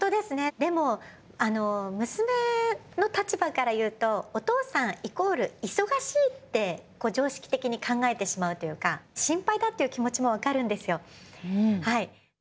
でも、娘の立場から言うと、お父さんイコール忙しいって、常識的に考えてしまうというか、心配だという気持ちも分かるんですよ。